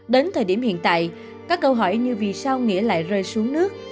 đến thời điểm hiện tại các câu hỏi như vì sao nghĩa lại rơi xuống nước